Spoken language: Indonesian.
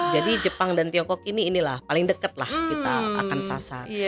jadi jepang dan tiongkok ini inilah paling dekat lah kita akan sasar